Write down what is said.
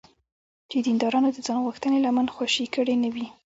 چې دیندارانو د ځانغوښتنې لمن خوشې کړې نه وي.